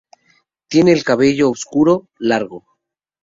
Tiene el cabello oscuro, largo.